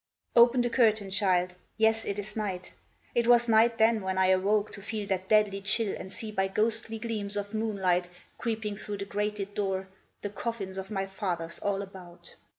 Open the curtain, child. Yes, it is night. It was night then, when I awoke to feel That deadly chill, and see by ghostly gleams Of moonlight, creeping through the grated door, The coffins of my fathers all about.